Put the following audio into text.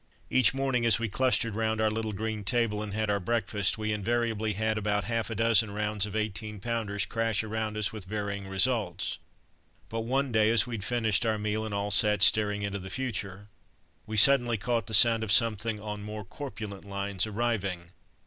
Each morning as we clustered round our little green table and had our breakfast, we invariably had about half a dozen rounds of 18 pounders crash around us with varying results, but one day, as we'd finished our meal and all sat staring into the future, we suddenly caught the sound of something on more corpulent lines arriving.